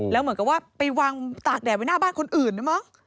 แล้วเหมือนกับว่าไปวางตากแดดไว้หน้าบ้านคนอื่นด้วยมั้ง